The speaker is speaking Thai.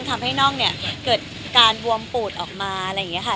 ทำให้น่องเนี่ยเกิดการบวมปูดออกมาอะไรอย่างนี้ค่ะ